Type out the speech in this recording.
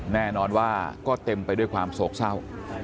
แน่นอนว่าก็เต็มไปด้วยความโศกเศร้า